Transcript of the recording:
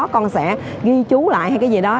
con sẽ ghi chú lại hay cái gì đó